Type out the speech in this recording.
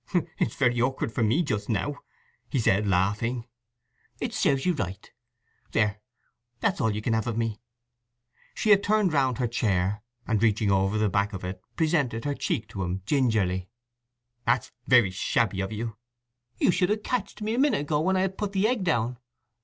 "It is very awkward for me just now," he said, laughing. "It serves you right. There—that's all you can have of me" She had turned round her chair, and, reaching over the back of it, presented her cheek to him gingerly. "That's very shabby of you!" "You should have catched me a minute ago when I had put the egg down!